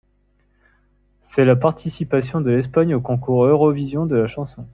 C'est la participation de l'Espagne au Concours Eurovision de la chanson.